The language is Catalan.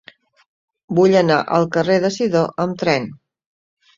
Vull anar al carrer de Sidó amb tren.